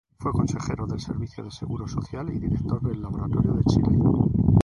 Fue consejero del Servicio de Seguro Social, y director del Laboratorio Chile.